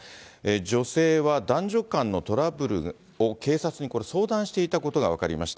女性は男女間のトラブルを警察に相談していたことが分かりました。